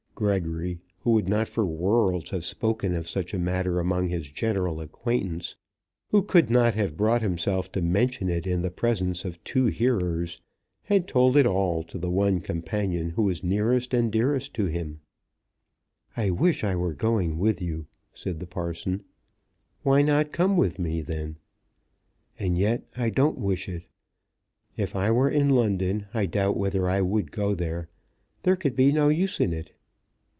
Gregory, who would not for worlds have spoken of such a matter among his general acquaintance, who could not have brought himself to mention it in the presence of two hearers, had told it all to the one companion who was nearest and dearest to him, "I wish I were going with you," said the parson. "Why not come with me then?" "And yet I don't wish it. If I were in London I doubt whether I would go there. There could be no use in it."